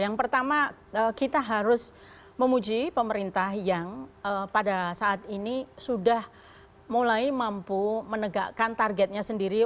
yang pertama kita harus memuji pemerintah yang pada saat ini sudah mulai mampu menegakkan targetnya sendiri